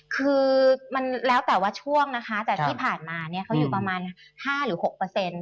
คือมันแล้วแต่ว่าช่วงนะคะแต่ที่ผ่านมาเนี่ยเขาอยู่ประมาณ๕หรือ๖เปอร์เซ็นต์